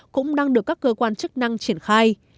cũng đang được các cơ quan chức năng triển khai